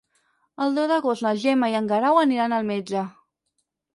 El deu d'agost na Gemma i en Guerau aniran al metge.